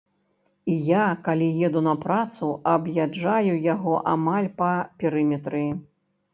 І я, калі еду на працу, аб'язджаю яго амаль па перыметры.